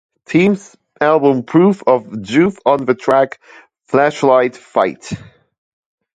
Team's album "Proof of Youth" on the track "Flashlight Fight.